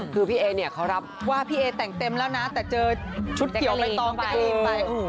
คือพี่เอเนี่ยเขารับว่าพี่เอแต่งเต็มแล้วนะแต่เจอชุดเกี่ยวใบตองแจ๊กรีนไป